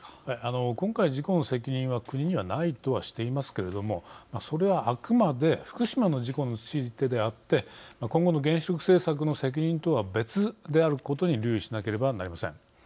今回事故の責任は国にはないとはしているんですけどもそれは、あくまで福島の事故についてであって今後の原子力政策の責任とは別であることに留意しなければなりません。